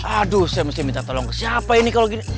aduh saya mesti minta tolong ke siapa ini kalau gini